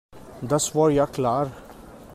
Das war ja klar.